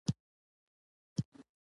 په وروستیو کې که پیسې درسره پاته شوې